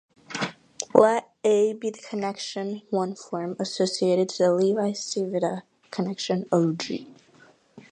Let "A" be the connection one-form associated to the Levi-Civita connection of "g".